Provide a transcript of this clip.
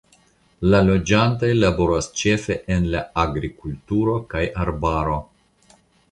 La loĝantoj laboras ĉefe en agrikulturo kaj arbaro.